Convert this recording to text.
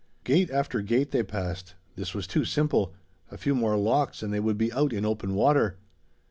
Gate after gate they passed. This was too simple. A few more locks and they would be out in open water.